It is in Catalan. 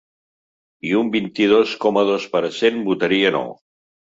I un vint-i-dos coma dos per cent votaria no.